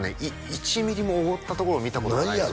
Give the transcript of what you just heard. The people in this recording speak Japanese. １ミリもおごったところを見たことがないんですよ